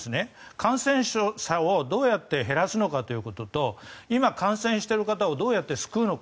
感染者をどうやって減らすのかということと今、感染している方をどうやって救うのか。